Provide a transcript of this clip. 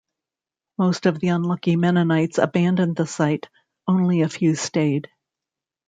Most of the unlucky Mennonites abandoned the site; only a few stayed.